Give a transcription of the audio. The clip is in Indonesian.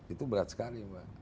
itu berat sekali mbak